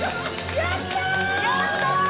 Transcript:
やったー！